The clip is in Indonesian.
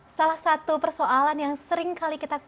salah satu persoalan yang sering kali kita